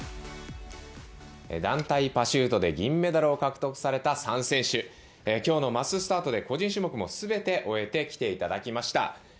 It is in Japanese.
団体パシュートで銀メダルを獲得された３選手きょうのマススタートで個人種目もすべて終えて来ていただきました。